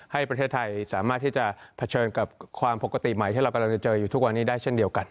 ให้ประเทศไทยสามารถที่จะเผชิญกับความปกติใหม่ที่เรากำลังจะเจออยู่ทุกวันนี้ได้เช่นเดียวกัน